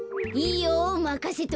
まかせといて。